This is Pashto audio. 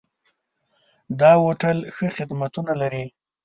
دا هوټل ښه خدمتونه لري.